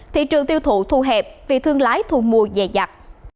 thị trường tiêu thụ thu hẹp vì thương lái thu mua dày dặt